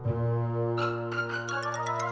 mbak surti kamu sudah berhasil